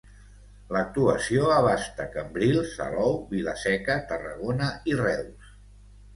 L'actuació abasta Cambrils, Salou, Vila-seca, Tarragona i Reus.